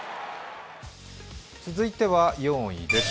続いては４位です。